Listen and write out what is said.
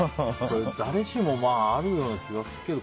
誰しもあるような気がするけど。